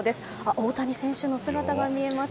大谷選手の姿が見えます。